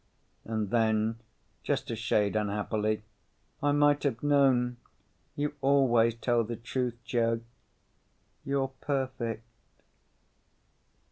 And then, just a shade unhappily, "I might have known. You always tell the truth, Joe—you're perfect."